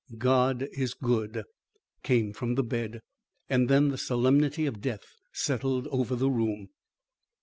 "God is good," came from the bed; then the solemnity of death settled over the room.